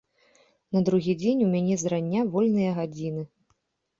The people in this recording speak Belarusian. На другі дзень у мяне зрання вольныя гадзіны.